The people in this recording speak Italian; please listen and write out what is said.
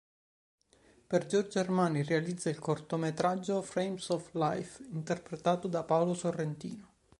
Per Giorgio Armani realizza il cortometraggio “Frames of Life”, interpretato da Paolo Sorrentino.